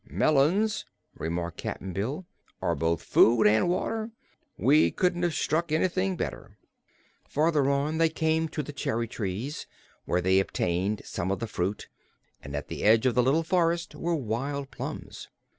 "Melons," remarked Cap'n Bill, "are both food an' water. We couldn't have struck anything better." Farther on they came to the cherry trees, where they obtained some of the fruit, and at the edge of the little forest were wild plums.